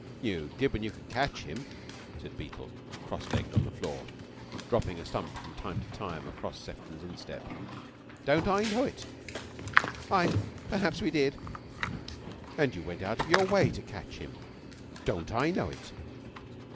"You did when you could catch him," said Beetle, cross legged on the floor, dropping a stump from time to time across Sefton's instep. "Don't I know it!" "I perhaps we did." "And you went out of your way to catch him? Don't I know it!